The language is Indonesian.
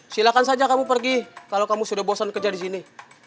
silahkan saja kamu pergi kalau kamu sudah bosan kerja di sini